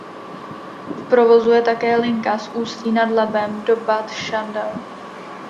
V provozu je také linka z Ústí nad Labem do Bad Schandau.